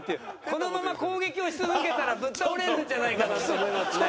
このまま攻撃をし続けたらぶっ倒れるんじゃないかなと思いますね。